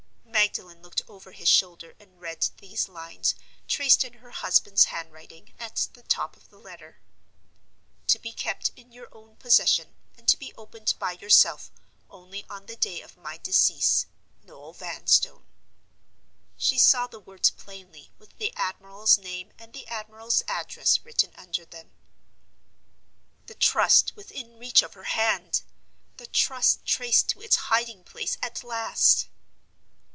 Magdalen looked over his shoulder and read these lines, traced in her husband's handwriting, at the top of the letter: To be kept in your own possession, and to be opened by yourself only on the day of my decease. Noel Vanstone. She saw the words plainly, with the admiral's name and the admiral's address written under them. The Trust within reach of her hand! The Trust traced to its hiding place at last!